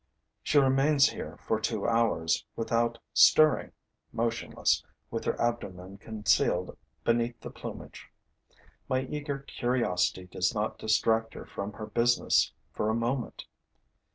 She remains here for two hours without stirring, motionless, with her abdomen concealed beneath the plumage. My eager curiosity does not distract her from her business for a moment.